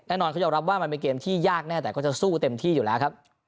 แน่นอนเขายอมรับว่ามันเป็นเกมที่ยากแน่แต่ก็จะสู้เต็มที่อยู่แล้วครับ